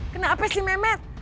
kenapa si mehmet